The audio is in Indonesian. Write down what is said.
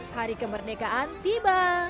hari kemerdekaan tiba